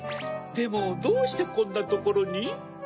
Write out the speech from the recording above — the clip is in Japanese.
でもどうしてこんなところに？